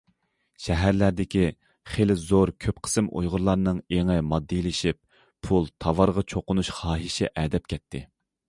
شەھەرلەردىكى خېلى زور كۆپ قىسىم ئۇيغۇرلارنىڭ ئېڭى ماددىيلىشىپ، پۇل، تاۋارغا چوقۇنۇش خاھىشى ئەدەپ كەتتى.